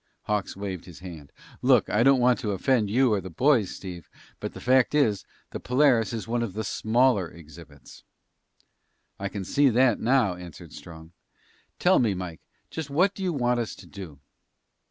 Hawks waved his hand. "Look, I don't want to offend you or the boys, Steve, but the fact is, the Polaris is one of the smaller exhibits!" "I can see that now," answered Strong. "Tell me, Mike, just what do you want us to do?"